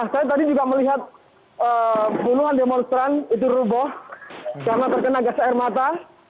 saya tadi juga melihat bunuhan demonstran itu ruboh karena terkena gas air mata